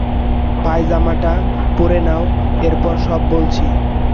পায়জামাটা পরে নাও এরপর সব বলছি।